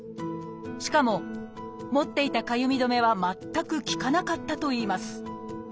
しかも持っていたかゆみ止めは全く効かなかったといいます。